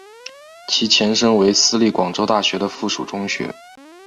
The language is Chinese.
其前身为私立广州大学的附属中学。